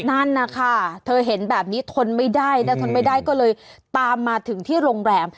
นั่นนะคะเธอเห็นแบบนี้ทนไม่ได้แล้วทนไม่ได้ก็เลยตามมาถึงที่โรงแรม